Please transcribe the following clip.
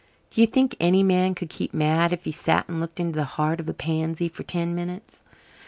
Do you think any man could keep mad if he sat and looked into the heart of a pansy for ten minutes?